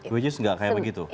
which is nggak kayak begitu